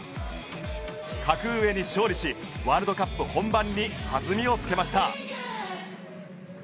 格上に勝利しワールドカップ本番に弾みをつけました。